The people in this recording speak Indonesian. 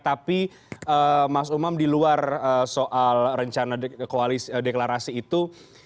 tapi mas umam di luar soal rencana koalisi deklarasi itu